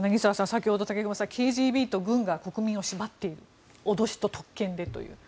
先ほど武隈さんがＫＧＢと軍が国民を縛っている脅しと特権でという。